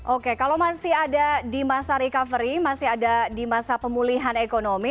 oke kalau masih ada di masa recovery masih ada di masa pemulihan ekonomi